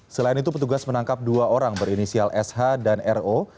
selain itu petugas menangkap dua orang berinisial sh dan ro